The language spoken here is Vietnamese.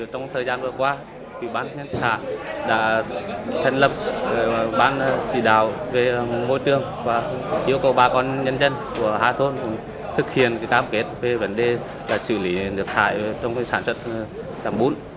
trong thời gian vừa qua thủy bán nhân sản đã thành lập bán chỉ đạo về môi trường và yêu cầu bà con nhân dân của hai thôn thực hiện cam kết về vấn đề xử lý nước thải trong sản xuất làm bún